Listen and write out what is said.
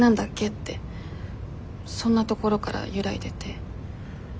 ってそんなところから揺らいでて。